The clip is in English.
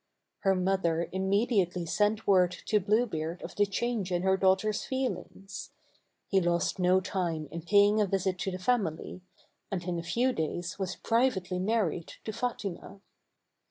Her mother imme diately sent word to Blue Beard of the change in her daugh ter's feelings. He lost no time in paying a visit to the family, — and in a few days was privately married to Fatima.